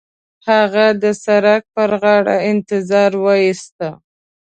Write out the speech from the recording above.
هغه د سړک پر غاړه انتظار وېسته.